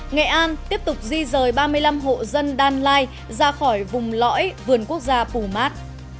nghệ an tiếp tục di rời ba mươi năm hộ dân đan lai ra khỏi vùng lõi vườn quốc gia pù mát